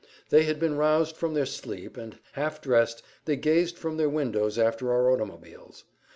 They had been roused from their sleep and, half dressed, they gazed from their windows after our automobiles.